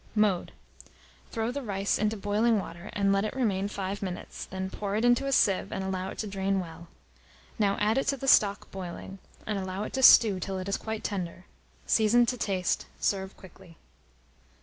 Mode. Throw the rice into boiling water, and let it remain 5 minutes; then pour it into a sieve, and allow it to drain well. Now add it to the stock boiling, and allow it to stew till it is quite tender; season to taste. Serve quickly.